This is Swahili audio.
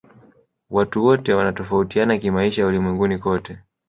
watu wote wanatofautiana kimaisha ulimwenguni kote